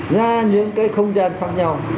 ra những cái không gian khác nhau